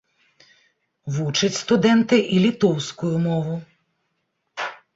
Вучаць студэнты і літоўскую мову.